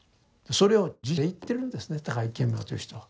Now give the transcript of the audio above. それを地でいってるんですね高木顕明という人は。